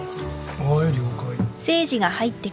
はい了解。